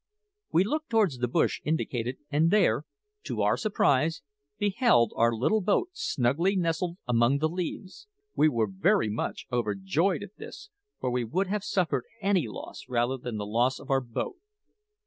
We looked towards the bush indicated, and there, to our surprise, beheld our little boat snugly nestled among the leaves. We were very much overjoyed at this, for we would have suffered any loss rather than the loss of our boat.